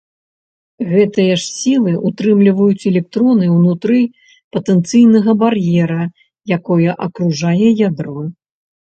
Гэтыя ж сілы ўтрымліваюць электроны ўнутры патэнцыйнага бар'ера, якое акружае ядро.